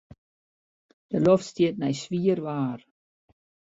De loft stiet nei swier waar.